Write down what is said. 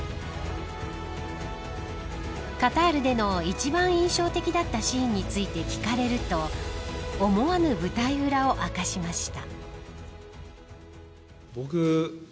カタールでの一番印象的だったシーンについて聞かれると思わぬ舞台裏を明かしました。